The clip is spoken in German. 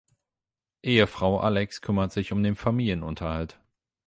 Ehefrau Alex kümmert sich um den Familienunterhalt.